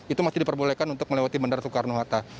itu masih diperbolehkan untuk melewati bandara soekarno hatta